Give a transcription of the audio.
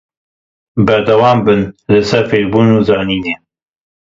Berdewam bin li ser fêrbûn û zanînê.